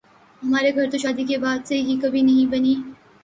ہمارے گھر تو شادی کے بعد سے ہی کبھی نہیں بنی